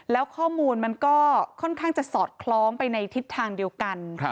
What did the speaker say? แล้วข้อมูลมันก็ค่อนข้างจะสอดคล้องไปในทิศทางเดียวกัน